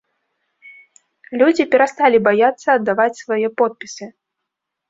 Людзі перасталі баяцца аддаваць свае подпісы.